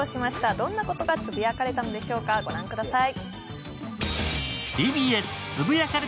どんなことが、つぶやかれたんでしょうか、ご覧ください。